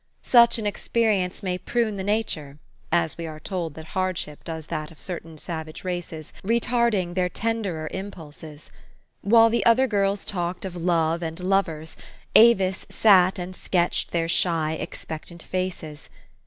Such an experience may prune the nature, as we are told that hardship does that of certain savage races, re tarding their tenderer impulses. While the other girls talked of love and lovers, Avis sat and sketched their shy, expectant faces.